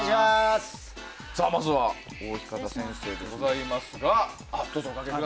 まずは大日方先生でございますが。